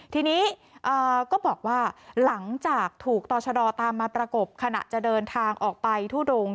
ทีนี้ก็บอกว่าหลังจากถูกต่อชะดอตามมาประกบขณะจะเดินทางออกไปทุดง